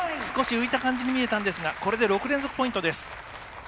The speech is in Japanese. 少し浮いた感じに見えたんですがこれで６連続ポイントです。